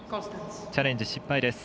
チャレンジ失敗です。